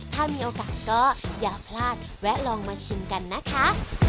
ถ้ามีโอกาสก็อย่าพลาดแวะลองมาชิมกันนะคะ